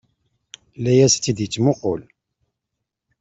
Layes ad tt-id-ittemuqul.